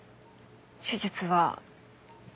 手術は。